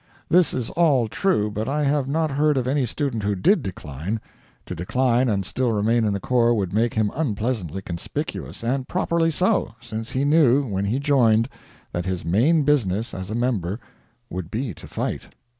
This is all true but I have not heard of any student who DID decline; to decline and still remain in the corps would make him unpleasantly conspicuous, and properly so, since he knew, when he joined, that his main business, as a member, would be to fight.